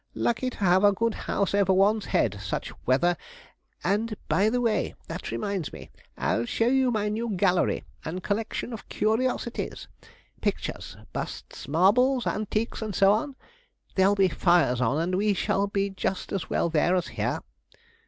'Lucky to have a good house over one's head, such weather; and, by the way, that reminds me, I'll show you my new gallery and collection of curiosities pictures, busts, marbles, antiques, and so on; there'll be fires on, and we shall be just as well there as here.'